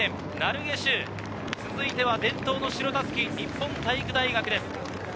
続いて伝統の白襷・日本体育大学です。